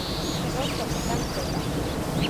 თედო სოფლიდან ქრება.